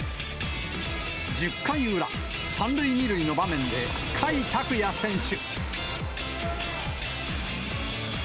１０回裏、３塁２塁の場面で、甲斐拓也選手。